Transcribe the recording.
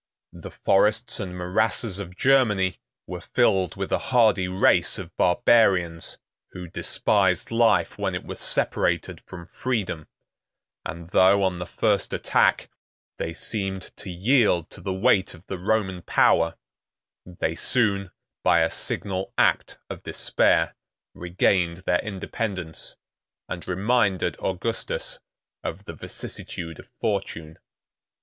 The forests and morasses of Germany were filled with a hardy race of barbarians, who despised life when it was separated from freedom; and though, on the first attack, they seemed to yield to the weight of the Roman power, they soon, by a signal act of despair, regained their independence, and reminded Augustus of the vicissitude of fortune.